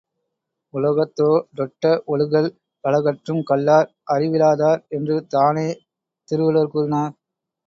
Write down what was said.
உலகத்தோ டொட்ட ஒழுகல் பலகற்றும் கல்லார் அறிவிலா தார் என்று தானே திருவள்ளுவர் கூறினார்.